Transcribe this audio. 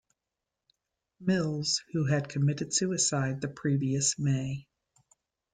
Mills, who had committed suicide the previous May.